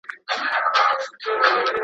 دوی تخنيکي تجهيزات په سختۍ سره برابرول.